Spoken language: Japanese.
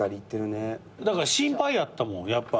だから心配やったもんやっぱ。